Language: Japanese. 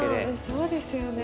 そうですよね。